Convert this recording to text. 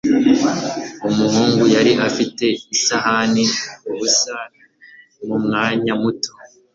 Umuhungu yari afite isahani ubusa mumwanya muto.